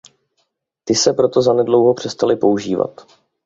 Ty se proto zanedlouho přestaly používat.